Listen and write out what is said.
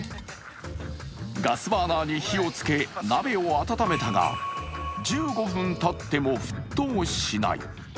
ガスバーナーに火をつけ、鍋を温めたが１５分たっても沸騰しない。